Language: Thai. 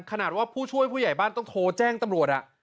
ขนาดว่าผู้ช่วยผู้ใหญ่บ้านต้องโทรแจ้งตำรวจ